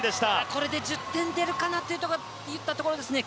これで１０点出るかなといったところですね。